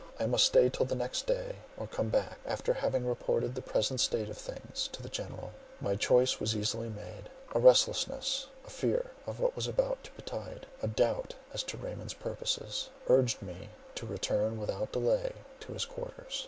I must stay till the next day; or come back, after having reported the present state of things to the general. My choice was easily made. A restlessness, a fear of what was about to betide, a doubt as to Raymond's purposes, urged me to return without delay to his quarters.